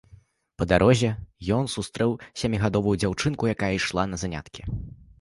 Па дарозе ён сустрэў сямігадовую дзяўчынку, якая ішла на заняткі.